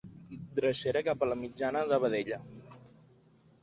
Drecera cap a la mitjana de vedella.